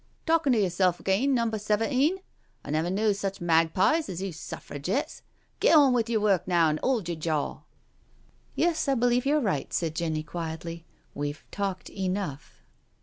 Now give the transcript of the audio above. ''Talking to yerself again, Number Seventeen I I never knew such magpies as you Suffragitts. Get on with yer work now, and 'old yer jaw." " Yes, I believe you're right," said Jenny quietly, " we've talked enough."